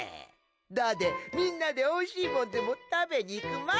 だで、みんなでおいしいもんでも食べにいくまい？